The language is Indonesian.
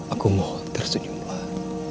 aku mohon tersenyumlah